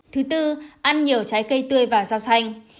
thứ tư ăn nhiều trái cây tươi và rau xanh